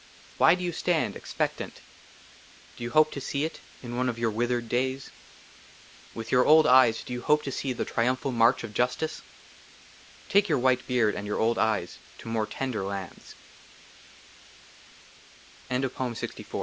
WHY DO YOU STAND, EXPECTANT ? DO YOU HOPE TO SEE IT IN ONE OF YOUR WITHERED DAYS ? WITH YOUR OLD EYES DO YOU HOPE TO SEE THE TRIUMPHAL MARCH OF JUSTICE ? DO NOT WAIT, FRIEND ! TAKE YOUR WHITE BEARD AND YOUR OLD EYES TO MORE TENDER LANDS.